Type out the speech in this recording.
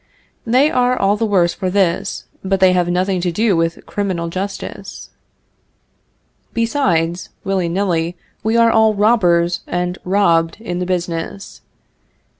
They are all the worse for this, but they have nothing to do with criminal justice. Besides, willy nilly, we are all robbers and robbed in the business.